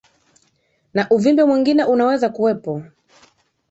na uvimbe mwingine unaweza kuwepo